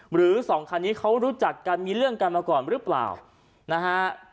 หรือสองคันนี้เขารู้จักกันมีเรื่องกันมาก่อนหรือเปล่านะฮะ